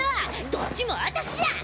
どっちも私じゃ！